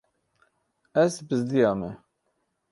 Ez bizdiyame.